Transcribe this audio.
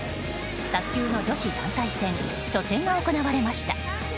卓球の女子団体戦初戦が行われました。